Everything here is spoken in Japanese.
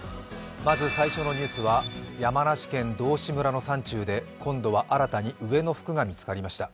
まず最初のニュースは山梨県道志村の山中で今度は新たに上の服が見つかりました。